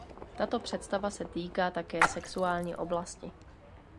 Tato představa se týká také sexuální oblasti.